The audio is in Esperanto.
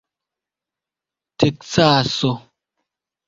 teksaso